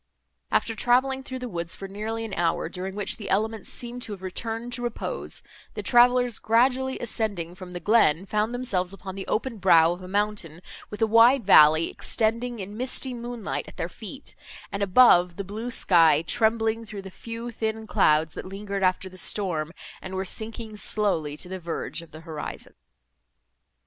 After travelling through the woods for nearly an hour, during which the elements seemed to have returned to repose, the travellers, gradually ascending from the glen, found themselves upon the open brow of a mountain, with a wide valley, extending in misty moonlight, at their feet, and above, the blue sky, trembling through the few thin clouds, that lingered after the storm, and were sinking slowly to the verge of the horizon.